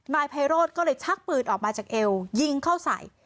นายไพโรธก็เลยชักปืนออกมาจากเอวยิงเข้าใส่